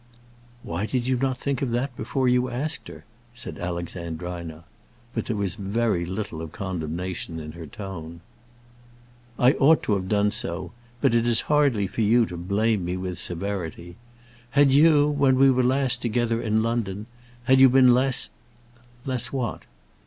"Why did you not think of that before you asked her?" said Alexandrina. But there was very little of condemnation in her tone. "I ought to have done so; but it is hardly for you to blame me with severity. Had you, when we were last together in London had you been less " "Less what?"